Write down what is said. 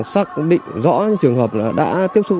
xác định rõ trường hợp đã tiếp xúc